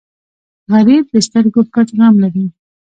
غریب د سترګو پټ غم لري